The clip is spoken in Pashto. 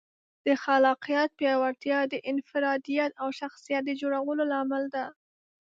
د خلاقیت پیاوړتیا د انفرادیت او شخصیت د جوړولو لامل ده.